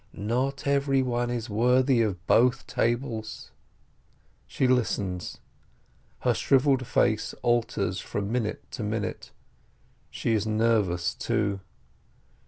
Not every one is worthy of both tables !" She listens. Her shrivelled face alters from minute to minute; she is nervous, too.